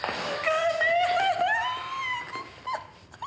茜よかった！